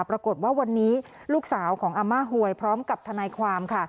ปรากฏว่าวันนี้ลูกสาวของอาม่าหวยพร้อมกับทนายความ